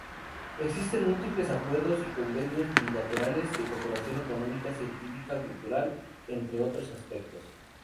Existen múltiples acuerdos y convenios bilaterales de cooperación económica, científica, cultural, entre otros aspectos.